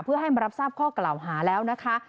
เพื่อให้มารับทราบข้อกล่าวหาแล้วนะคะ